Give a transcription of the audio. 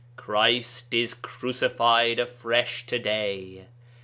Christ is crucified afresh to day.